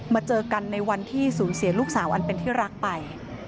เจอกันในวันที่สูญเสียลูกสาวอันเป็นที่รักไป